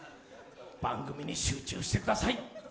番組に集中してください！